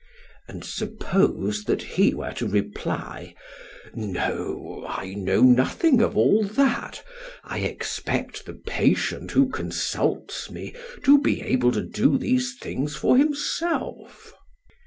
SOCRATES: And suppose that he were to reply: 'No; I know nothing of all that; I expect the patient who consults me to be able to do these things for himself'?